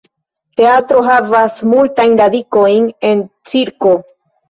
Teatro havas multajn radikojn en cirko.